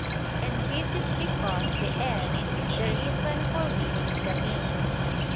And this is because the end is the reason for willing the means.